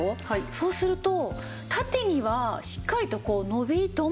そうすると縦にはしっかりとこう伸び止まるんですよね。